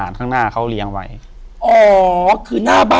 อยู่ที่แม่ศรีวิรัยิลครับ